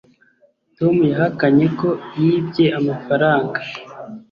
tom yahakanye ko yibye amafaranga